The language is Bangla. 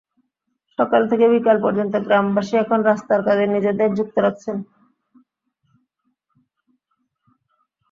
সকাল থেকে বিকেল পর্যন্ত গ্রামবাসী এখন রাস্তার কাজে নিজেদের যুক্ত রাখছেন।